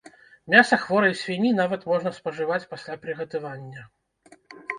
Мяса хворай свінні нават можна спажываць пасля прыгатавання.